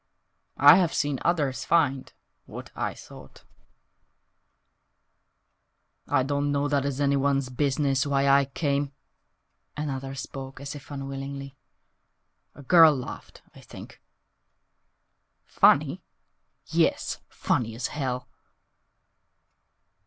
"I have seen others find What I sought." ....... "I don't know that it's anyone's business Why I came," (Another spoke as if unwillingly), "A girl laughed, I think Funny? Yes, funny as hell!"